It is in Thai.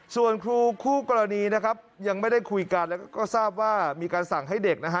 ส่วนครูคู่กรณีนะครับยังไม่ได้คุยกันแล้วก็ทราบว่ามีการสั่งให้เด็กนะฮะ